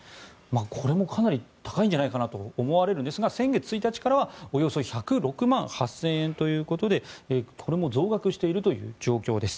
これもかなり高いんじゃないかと思われるんですが先月１日からはおよそ１０６万８０００円ということでこれも増額しているという状況です。